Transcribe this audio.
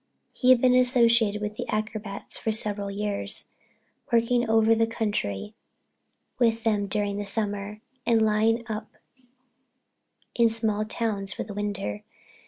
He had been associated with the acrobats for several years, working over the country with them during the summer and lying up in small towns for the winter.